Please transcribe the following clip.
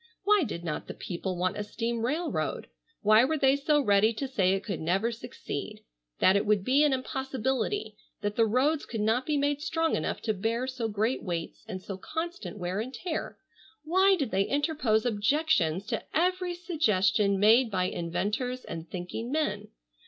Why did not the people want a steam railroad? Why were they so ready to say it could never succeed, that it would be an impossibility; that the roads could not be made strong enough to bear so great weights and so constant wear and tear? Why did they interpose objections to every suggestion made by inventors and thinking men?